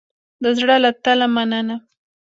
د زړه له تله مننه